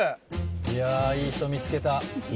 いやいい人見つけた。